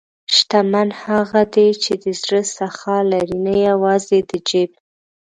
شتمن هغه دی چې د زړه سخا لري، نه یوازې د جیب.